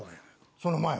その前は？